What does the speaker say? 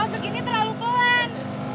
kalau segini terlalu pelan